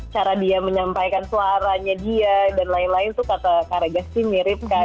cara dia menyampaikan suaranya dia dan lain lain tuh kata karygas sih mirip kak